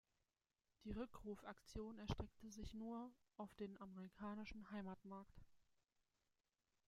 Die Rückrufaktion erstreckte sich nur auf den amerikanischen Heimatmarkt.